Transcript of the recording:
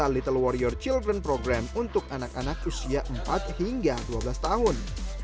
little warrior children program untuk anak anak usia empat hingga dua belas tahun